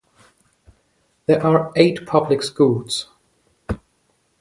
There are eight public schools.